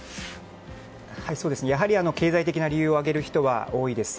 経済的な理由を挙げる人がやはり多いです。